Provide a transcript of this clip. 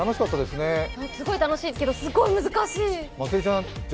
すごい楽しいですけど、すごい難しい。